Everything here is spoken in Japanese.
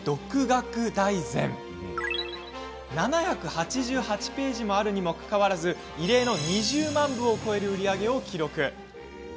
７８８ページもあるにもかかわらず異例の２０万部を超える売り上げを記録。